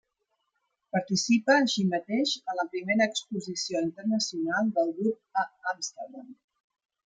Participa així mateix en la primera exposició internacional del grup a Amsterdam.